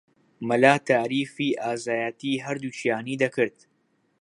مەلا تاریفی ئازایەتیی هەردووکیانی دەکرد